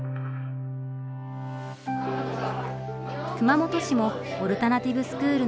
熊本市もオルタナティブスクールの一つ